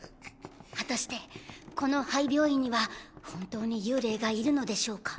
果たしてこの廃病院には本当に幽霊がいるのでしょうか。